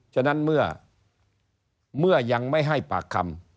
ฉะนั้นเมื่อยังไม่ให้ปากคำ